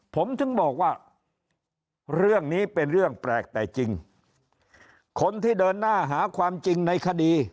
ผมถึงบอกว่าเรื่องนี้เป็นเรื่องแปลกแต่จริงคนที่เดินหน้าหาความจริงในคดี